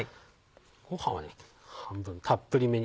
ごはんは半分たっぷりめに。